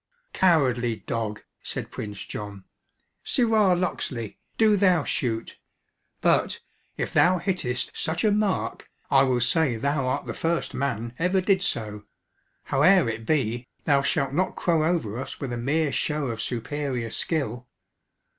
"Cowardly dog!" said Prince John "Sirrah Locksley, do thou shoot; but, if thou hittest such a mark, I will say thou art the first man ever did so. Howe'er it be, thou shalt not crow over us with a mere show of superior skill."